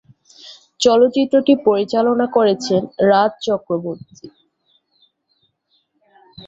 চলচ্চিত্রটি পরিচালনা করেছেন রাজ চক্রবর্তী।